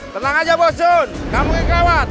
tenang aja bosun kamu yang kelewat